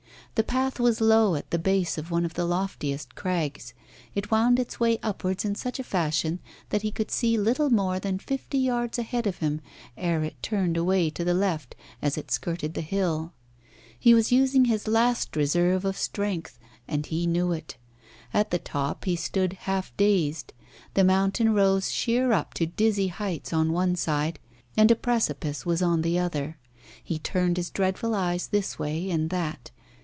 The path was low at the base of one of the loftiest crags. It wound its way upwards in such a fashion that he could see little more than fifty yards ahead of him ere it turned away to the left as it skirted the hill. He was using his last reserve of strength, and he knew it. At the top he stood half dazed. The mountain rose sheer up to dizzy heights on one side, and a precipice was on the other. He turned his dreadful eyes this way and that.